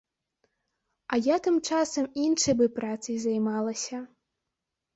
А я тым часам іншай бы працай займалася.